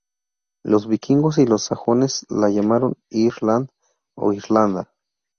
Los vikingos y los sajones la llamaron Ir-land o Ir-landa.